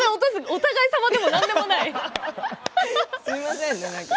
お互い様でも何でもない。